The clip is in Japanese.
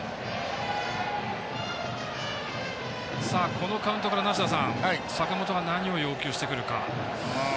このカウントから梨田さん坂本が何を要求してくるか。